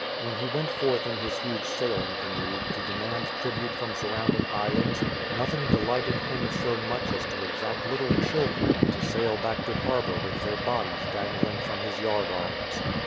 When he went forth in his huge sailing canoe to demand tribute from surrounding islands, nothing delighted him so much as to exact little children and to sail back to harbour with their bodies dangling from his yard arms.